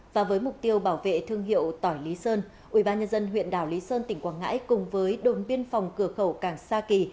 và với mục tiêu bảo vệ thương hiệu tỏi lý sơn ubnd huyện đảo lý sơn tỉnh quảng ngãi cùng với đồn biên phòng cửa khẩu cảng sa kỳ